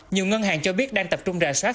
nhiều ngân hàng cho biết đang tập trung rà soát